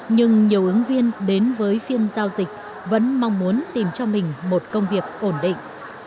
nhưng nhiều ứng viên đến với phiên giao dịch vẫn mong muốn tìm cho mình một công việc ổn định